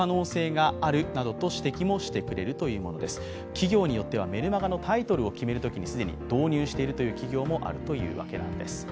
企業によってはメルマガのタイトルを決めるときに既に導入しているという企業もあるというわけなんです。